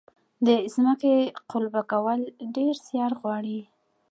د ځمکې قلبه کول ډیر زیار غواړي.